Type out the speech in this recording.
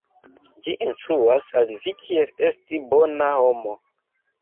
Ĝi instruas al vi kiel esti bona homo.